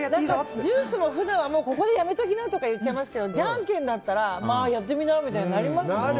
ジュースも、普段はここでやめておきなって言っちゃいますけどジャンケンだったらまあやってみなってなりますからね。